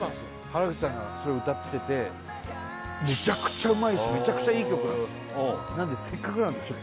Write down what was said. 原口さんがそれ歌っててめちゃくちゃいい曲なんですよ